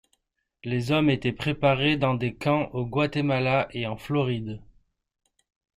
Les hommes étaient préparés dans des camps au Guatemala et en Floride.